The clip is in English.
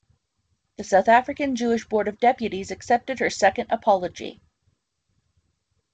The South African Jewish Board of Deputies accepted her second apology.